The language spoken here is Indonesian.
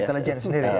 intelijen sendiri ya